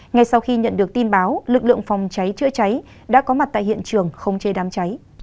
ngay sau khi nhận được tin báo lực lượng phòng cháy chữa cháy đã có mặt tại hiện trường không chế đám cháy